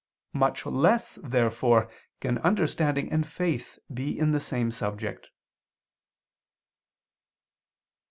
Much less, therefore, can understanding and faith be in the same subject.